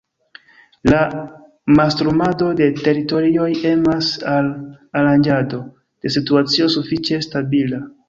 La mastrumado de teritorioj emas al aranĝado de situacio sufiĉe stabila.